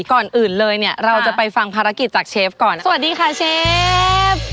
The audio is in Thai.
ก่อนอื่นเลยเนี่ยเราจะไปฟังภารกิจจากเชฟก่อนสวัสดีค่ะเชฟ